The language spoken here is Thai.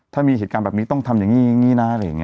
ถ้ามีเหตุการณ์แบบนี้ต้องทำอย่างนี้อย่างนี้นะอะไรอย่างนี้